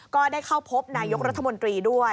ก็ได้เข้าพบนายกรัฐมนตรีด้วย